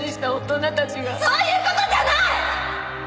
そういう事じゃない！